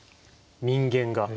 人間が。